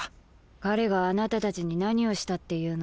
彼があなたたちに何をしたっていうの？